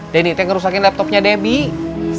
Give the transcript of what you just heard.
deni teh ngerusakin laptopnya debbie